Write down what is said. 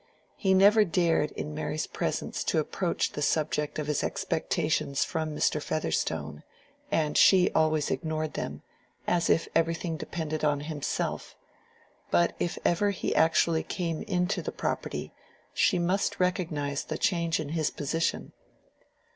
He never dared in Mary's presence to approach the subject of his expectations from Mr. Featherstone, and she always ignored them, as if everything depended on himself. But if ever he actually came into the property, she must recognize the change in his position.